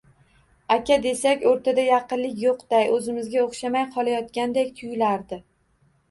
Aka desak, o`rtada yaqinlik yo`qday, o`zimizga o`xshamay qolayotganday tuyulardi